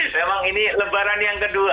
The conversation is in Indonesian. memang ini lebaran yang kedua